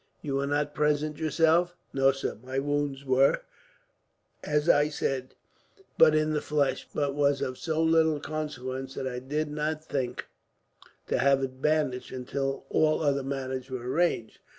"You were not present, yourself?" "No, sir. My wound was, as I have said, but in the flesh; and was of so little consequence, that I did not think to have it bandaged until all other matters were arranged.